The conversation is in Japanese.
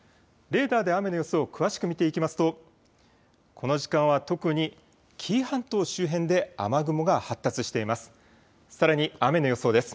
レーダーで雨の予想を詳しく見ていきますとこの時間は特に紀伊半島周辺で雨雲が発達しています。